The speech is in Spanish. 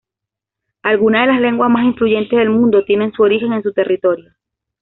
Algunas de las lenguas más influyentes del mundo tienen su origen en su territorio.